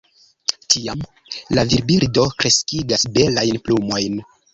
Tiam la virbirdo kreskigas belajn plumojn.